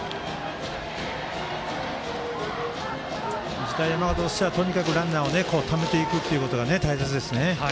日大山形としてはランナーをためていくことが大切ですね。